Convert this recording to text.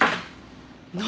何？